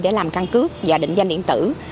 để làm căn cứ và định danh điện tử